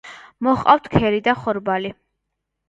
მოჰყავთ ქერი და ხორბალი.